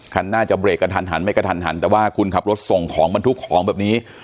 คันหน้าจะเบรกกระทันหันไม่กระทันหันแต่ว่าคุณขับรถส่งของบรรทุกของแบบนี้